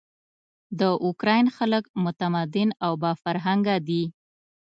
د اوکراین خلک متمدن او با فرهنګه دي.